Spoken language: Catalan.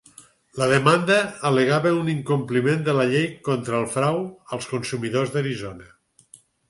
La demanda al·legava un incompliment de la Llei contra el frau als consumidors d'Arizona.